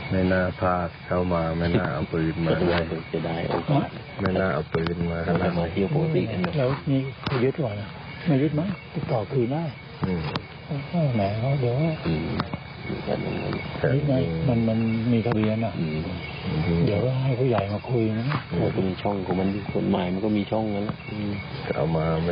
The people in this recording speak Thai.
ไม่น่าเอาตัวยึดมาครับ